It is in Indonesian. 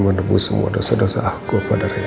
menembus semua dosa dosa aku pada rina